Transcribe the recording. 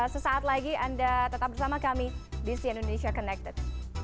sesaat lagi anda tetap bersama kami di si indonesia connected